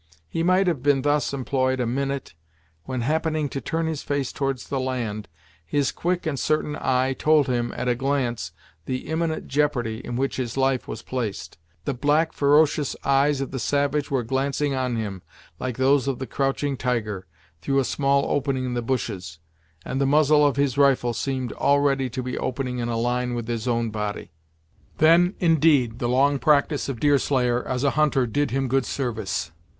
He might have been thus employed a minute, when, happening to turn his face towards the land, his quick and certain eye told him, at a glance, the imminent jeopardy in which his life was placed. The black, ferocious eyes of the savage were glancing on him, like those of the crouching tiger, through a small opening in the bushes, and the muzzle of his rifle seemed already to be opening in a line with his own body. Then, indeed, the long practice of Deerslayer, as a hunter did him good service.